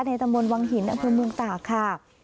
ในตำรวจวังหินอัพพลังเมืองตากค่ะ